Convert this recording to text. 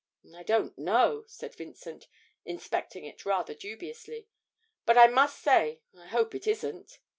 'I don't know,' said Vincent, inspecting it rather dubiously, 'but I must say I hope it isn't.'